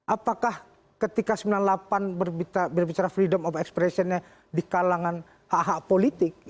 apakah ketika sembilan puluh delapan berbicara freedom of expressionnya di kalangan hak hak politik